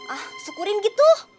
ah syukurin gitu